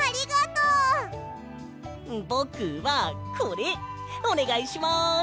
ぼくはこれおねがいします。